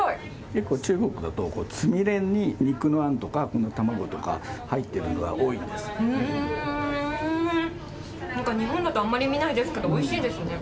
結構中国だと、つみれに肉のあんとか、この卵とか入ってるのが多いんですよね。